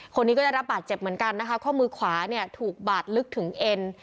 คนนี้ก็ได้รับบาดเจ็บเหมือนกันนะคะข้อมือขวาเนี่ยถูกบาดลึกถึงเอ็น